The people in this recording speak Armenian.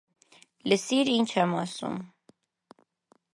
Լսիր ինչ եմ ասում: